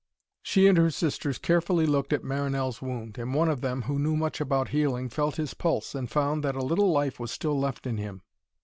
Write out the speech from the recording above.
She and her sisters carefully looked at Marinell's wound, and one of them, who knew much about healing, felt his pulse, and found that a little life was still left in him.